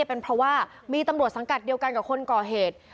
เป็นเพราะว่ามีตำรวจสังกัดเดียวกันกับคนก่อเหตุ